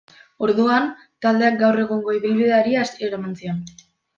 Orduan, taldeak gaur egungo ibilbideari hasiera eman zion.